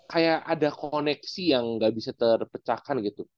kayak ada koneksi yang nggak bisa terpecahkan gitu